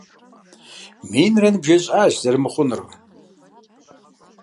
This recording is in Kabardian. Минрэ ныбжесӏащ зэрымыхъунур!